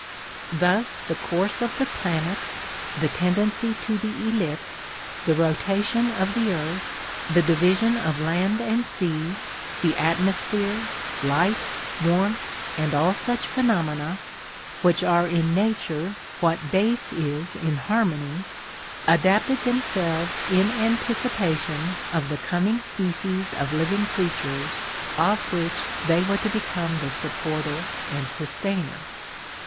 Thus the course of the planets, the tendency to the ellipse, the rotation of the earth, the division of land and sea, the atmosphere, light, warmth, and all such phenomena, which are in nature what bass is in harmony, adapted themselves in anticipation of the coming species of living creatures of which they were to become the supporter and sustainer.